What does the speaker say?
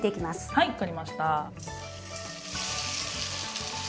はい分かりました。